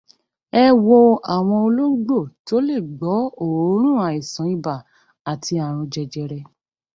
Ẹ wo àwọn ológbò tó lè gbọ́ òórùn àìsàn ibà àti àrùn jẹjẹrẹ